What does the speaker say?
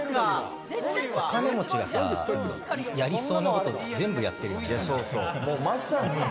お金持ちがさ、やりそうなこと全部やってるよね。